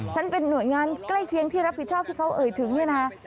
เป็นหน่วยงานใกล้เคียงที่รับผิดชอบที่เขาเอ่ยถึงเนี่ยนะ